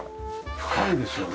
深いですよね。